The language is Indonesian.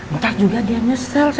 ntar juga dia nyesel